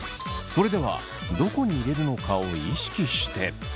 それではどこに入れるのかを意識して。